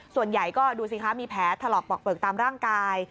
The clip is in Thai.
ส่วนใหญ่ก็ดูสิคะมีแผลถลอกปอกเปลือกตามร่างกาย